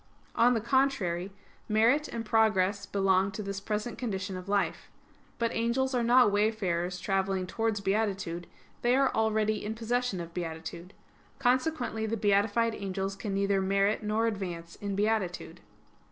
On the contrary, Merit and progress belong to this present condition of life. But angels are not wayfarers travelling towards beatitude, they are already in possession of beatitude. Consequently the beatified angels can neither merit nor advance in beatitude.